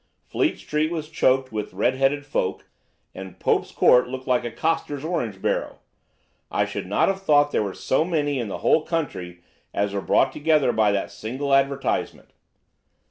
Fleet Street was choked with red headed folk, and Pope's Court looked like a coster's orange barrow. I should not have thought there were so many in the whole country as were brought together by that single advertisement.